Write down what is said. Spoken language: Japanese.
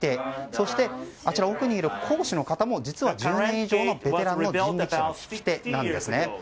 そして奥にいる講師の方も１０年以上のベテランの人力車の引き手なんです。